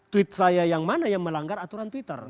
tweet saya yang mana yang melanggar aturan twitter